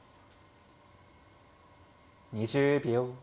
２０秒。